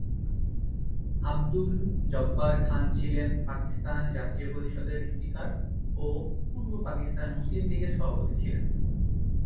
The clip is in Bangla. আব্দুল জব্বার খান ছিলেন পাকিস্তান জাতীয় পরিষদের স্পীকার ও পূর্ব পাকিস্তান মুসলিম লীগের সভাপতি ছিলেন।